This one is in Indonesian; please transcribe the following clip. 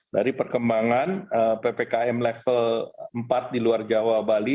dari perkembangan ppkm level empat di luar jawa bali